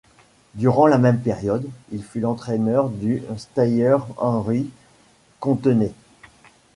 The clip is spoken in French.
Durant la même période, il fut l'entraîneur du stayer Henri Contenet.